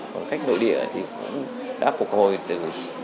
còn khách nội địa thì đã phục hồi từ hai nghìn hai mươi hai